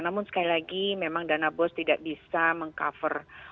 namun sekali lagi memang dana bos tidak bisa meng cover